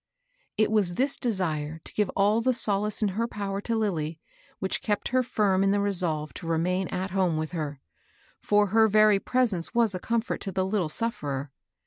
It was this desire to give all the solace in her powQK to Lilly, which kept her firm in the resolve to remain at home with her ; for her very presence was a comfort to the little sufferer.